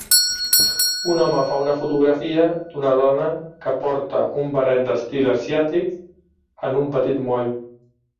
Un home fa una fotografia d'una dona que porta un barret d'estil asiàtic en un petit moll.